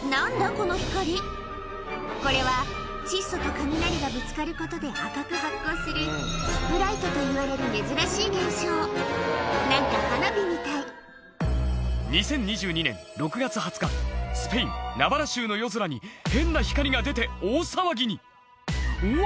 この光これは窒素と雷がぶつかることで赤く発光するスプライトといわれる珍しい現象何か花火みたいの夜空に変な光が出て大騒ぎにうわ！